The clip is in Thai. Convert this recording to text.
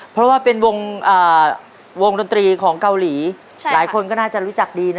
เพราะว่าเป็นวงดนตรีของเกาหลีหลายคนก็น่าจะรู้จักดีนะ